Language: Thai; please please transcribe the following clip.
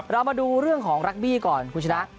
เรามาดูเรื่องของรักบี้ก่อนคุณชนะ